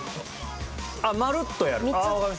あっまるっとやる？